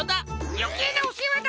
よけいなおせわだ！